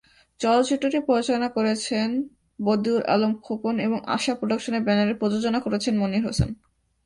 চলচ্চিত্রটি পরিচালনা করেছেন বদিউল আলম খোকন এবং আশা প্রোডাকশনের ব্যানারে প্রযোজনা করেছেন মনির হোসেন।